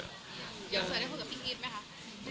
อยากจะได้พูดกับพี่อีฟไหมคะ